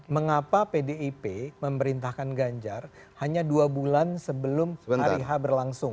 mengapa pdip memerintahkan ganjar hanya dua bulan sebelum hari h berlangsung